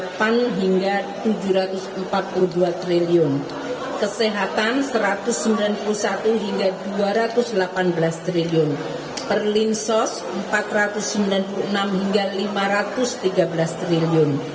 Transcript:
rp delapan hingga rp tujuh ratus empat puluh dua triliun kesehatan rp satu ratus sembilan puluh satu hingga rp dua ratus delapan belas triliun per linsos rp empat ratus sembilan puluh enam hingga rp lima ratus tiga belas triliun